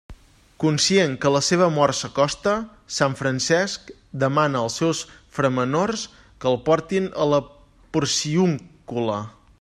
Conscient que la seva mort s'acosta, sant Francesc demana als seus framenors que el portin a la Porciúncula.